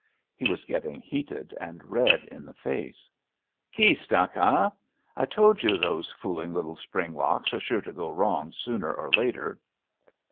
He was getting heated and red in the face. Key stuck, eh? I told you those fooling little spring locks are sure to go wrong sooner or later."